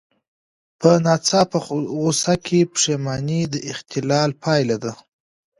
په ناڅاپه غوسه کې پښېماني د اختلال پایله ده.